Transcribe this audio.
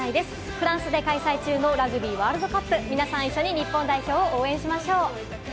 フランスで開催中のラグビーワールドカップ、皆さん一緒に日本代表を応援しましょう！